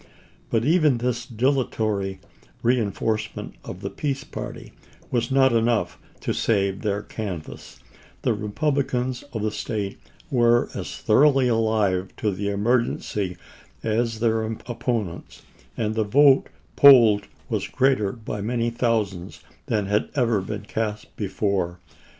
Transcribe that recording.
"1 But even this dilatory reenforcement of the peace party was not enough to save their canvass ; the Republicans of the State were as thoroughly alive to the emer gency as their opponents, and the vote polled was greater by many thousands than had ever been cast before.